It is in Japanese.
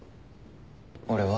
俺は？